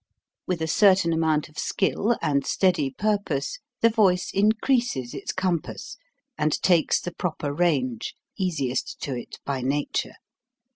With a certain amount of skill and steady purpose the voice increases its compass, and takes the proper range, easiest to it by nature.